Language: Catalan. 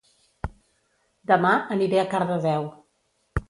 Dema aniré a Cardedeu